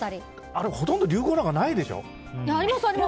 あれ、ほとんど流行なんてないでしょ？